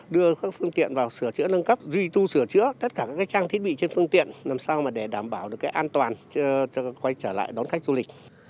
đưa các phương tiện vào sửa chữa nâng cấp duy tu sửa chữa tất cả các trang thiết bị trên phương tiện làm sao để đảm bảo an toàn quay trở lại đón khách du lịch